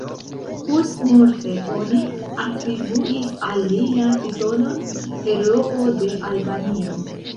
Postmorte oni atribuis al li la titolon "Heroo de Albanio".